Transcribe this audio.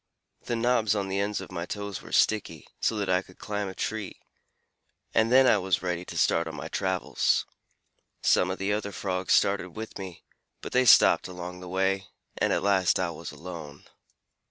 The knobs on the ends of my toes were sticky, so that I could climb a tree, and then I was ready to start on my travels. Some of the other Frogs started with me, but they stopped along the way, and at last I was alone.